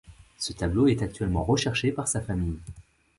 Ce tableau est actuellement recherché par sa famille.